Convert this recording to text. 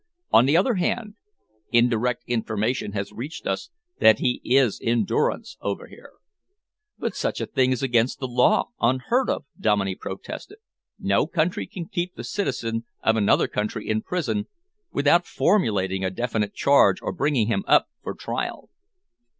On the other hand, indirect information has reached us that he is in durance over here." "But such a thing is against the law, unheard of," Dominey protested. "No country can keep the citizen of another country in prison without formulating a definite charge or bringing him up for trial."